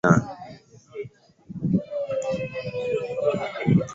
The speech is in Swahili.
watu walianza kuambukizwa magonjwa ya zinaa